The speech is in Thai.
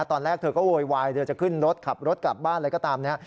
ตอนแรกเธอก็โวยวายเธอจะขึ้นรถขับรถกลับบ้านอะไรก็ตามนี้